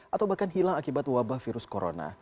atau bahkan hilang akibat wabah virus corona